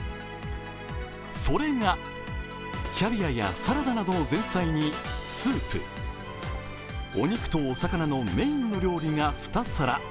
それがキャビアやサラダなどの前菜にスープお肉とお魚のメインの料理が２皿。